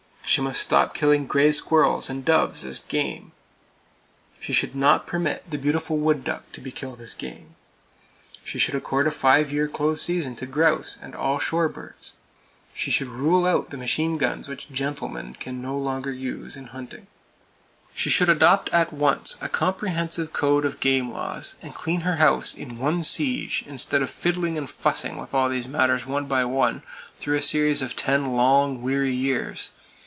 She must stop killing gray squirrels and doves as "game." She should not permit the beautiful wood duck to be killed as "game." She should accord a five year close season to grouse, and all shore birds. She should rule out the machine shot guns which gentlemen can no longer use in hunting. [Page 300] She should adopt at once a comprehensive code of game laws, and clean her house in one siege, instead of fiddling and fussing with all these matters one by one, through a series of ten long, weary years.